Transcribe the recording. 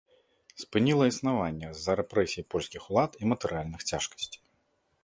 Спыніла існаванне з-за рэпрэсій польскіх улад і матэрыяльных цяжкасцей.